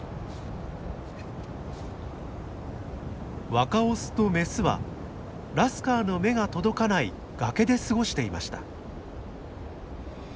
若オスとメスはラスカーの目が届かない崖で過ごしていました。